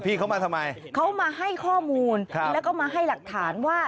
เข้ามาทำไมเขามาให้ข้อมูลแล้วก็มาให้หลักฐานว่า